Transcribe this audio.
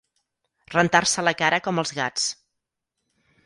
Rentar-se la cara com els gats.